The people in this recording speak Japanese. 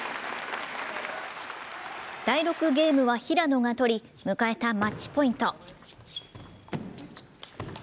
第６ゲームは平野が取り、迎えたマッチポイント。